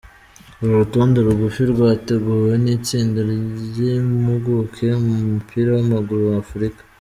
Uru rutonde rugufi rwateguwe n'itsinda ry'impuguke mu mupira w'amaguru w'Afurika.